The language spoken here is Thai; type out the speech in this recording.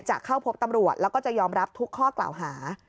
จะเข้าพบตำรวจแล้วก็จะยอมรับทุกข้อกล่าวหา